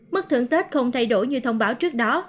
mức thượng tích không thay đổi như thông báo trước đó